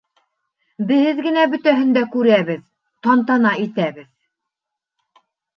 Беҙ генә бөтәһен дә күрәбеҙ, тантана итәбеҙ.